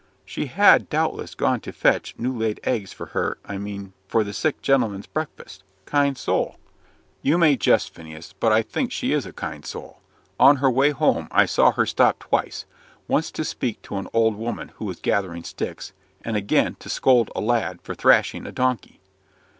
"She had, doubtless, gone to fetch new laid eggs for her I mean for the sick gentleman's breakfast. Kind soul!" "You may jest, Phineas, but I think she is a kind soul. On her way home I saw her stop twice; once to speak to an old woman who was gathering sticks; and again, to scold a lad for thrashing a donkey."